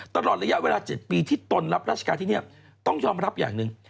ตลอดระยะเวลา๗ปีที่ตนรับราชการที่นี่ต้องยอมรับอย่างหนึ่ง